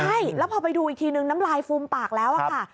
ใช่แล้วพอไปดูอีกทีนึงน้ำลายฟูมปากแล้วค่ะ